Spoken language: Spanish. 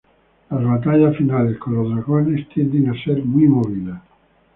Las batallas finales con los dragones tienden a ser muy movidas.